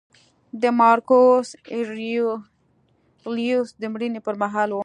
د مارکوس اریلیوس د مړینې پرمهال و